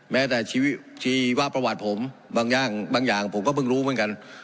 แม้แต่ชีวิตชีวะประวัติผมบางอย่างบางอย่างผมก็เพิ่งรู้เหมือนกัน